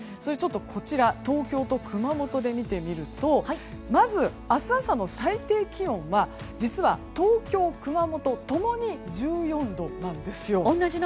こちら、東京と熊本で見てみるとまず明日朝の最低気温は実は東京、熊本ともに１４度なんですよ。